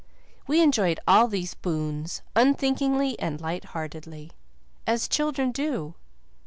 We enjoyed all these boons, unthinkingly and light heartedly, as children do.